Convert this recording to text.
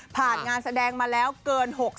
ผ่านงานแสดงมาแล้วเกิน